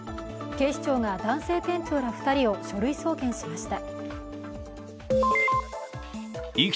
警視庁が男性店長ら２人を書類送検しました。